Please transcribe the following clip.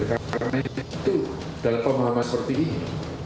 karena itu dalam pemohonan seperti ini